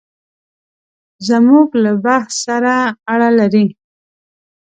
زموږ له بحث سره اړه لري.